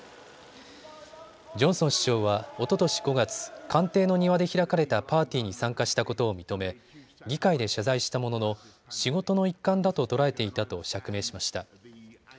ジョンソン首相はおととし５月、官邸の庭で開かれたパーティーに参加したことを認め議会で謝罪したものの仕事の一環だと捉えていたと釈明しました。